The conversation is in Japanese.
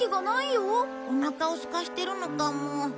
おなかをすかしてるのかも。